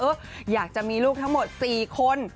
เอ้ออยากจะมีลูกทั้งหมดสี่คน